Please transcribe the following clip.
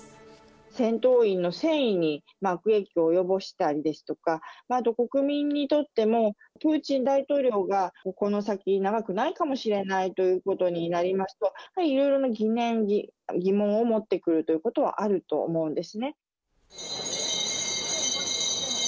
戦闘員の戦意に悪影響を及ぼしたりですとか、国民にとっても、プーチン大統領がこの先、長くないかもしれないということになりますと、いろいろな疑念、疑問を持ってくるということはあると思うんです